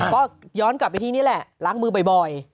ก็ย้อนกลับไปที่นี่แหละล้างมือบ่อย